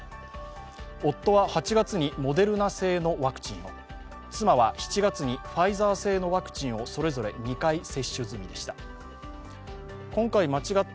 夫は８月にモデルナ製のワクチンを妻は７月にファイザー製のワクチンをそれぞれ２回接種済みでした。